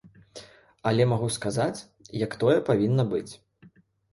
Але магу сказаць, як тое павінна быць.